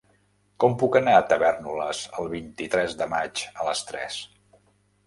Com puc anar a Tavèrnoles el vint-i-tres de maig a les tres?